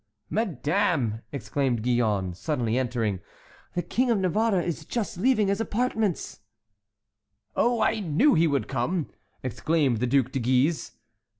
"Madame!" exclaimed Gillonne, suddenly entering, "the King of Navarre is just leaving his apartments!" "Oh, I knew he would come!" exclaimed the Duc de Guise.